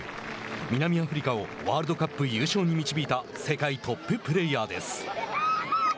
南アフリカをワールドカップ優勝に導いた世界トッププレーヤーです。